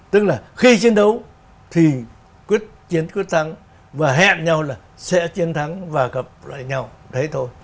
tức là khi chiến đấu thì chiến quyết thắng và hẹn nhau là sẽ chiến thắng và gặp lại nhau đấy thôi